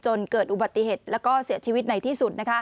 เกิดอุบัติเหตุและเสียชีวิตในที่สุด